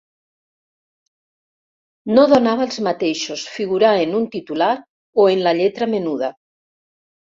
No donava els mateixos figurar en un titular o en la lletra menuda.